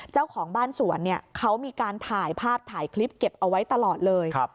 เจ้าของบ้านสวนเนี่ยเขามีการถ่ายภาพถ่ายคลิปเก็บเอาไว้ตลอดเลย